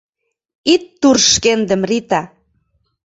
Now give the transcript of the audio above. Ит турж шкендым, Рита.